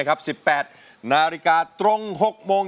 กรุงุ้ง